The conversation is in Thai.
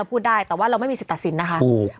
พูดได้แต่ว่าเราไม่มีสิทธิตัดสินนะคะ